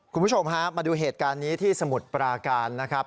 คุณผู้ชมฮะมาดูเหตุการณ์นี้ที่สมุทรปราการนะครับ